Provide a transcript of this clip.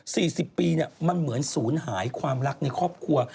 สี่สิบปีเนี่ยมันเหมือนศูนย์หายความรักในครอบครัว